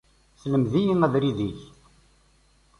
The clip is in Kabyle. Sselmed-iyi abrid-ik.